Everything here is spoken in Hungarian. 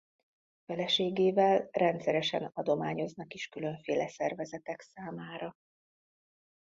Feleségével rendszeresen adományoznak is különféle szervezetek számára.